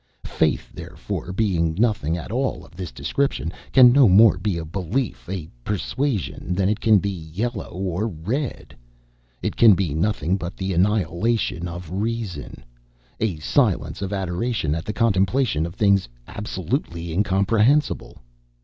Faith, therefore, being nothing at all of this description, can no more be a belief, a persuasion, than it can be yellow or red. It can be nothing but the annihilation of reason, a silence of adoration at the contemplation of things absolutely incomprehensible.